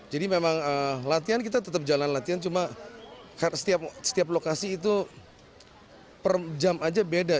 jadi memang latihan kita tetap jalan latihan cuma setiap lokasi itu per jam aja beda